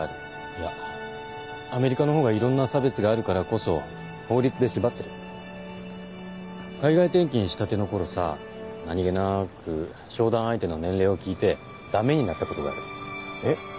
いやアメリカのほうがいろんな差別があるからこそ法律で縛ってる海外転勤したての頃さ何げなく商談相手の年齢を聞いてダメになったことがあるえっ！